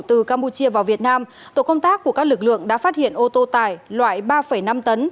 từ campuchia vào việt nam tổ công tác của các lực lượng đã phát hiện ô tô tải loại ba năm tấn